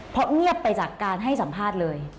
เพราะเงียบไปจากการให้สัมภาษณ์เลย